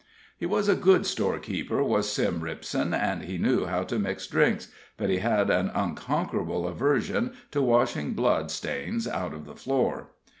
He was a good storekeeper, was Sam Ripson, and he knew how to mix drinks, but he had an unconquerable aversion to washing blood stains out of the floor.